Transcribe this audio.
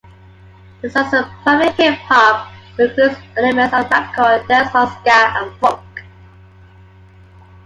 Their sound is primarily hip-hop, but includes elements of rapcore, dancehall, ska and funk.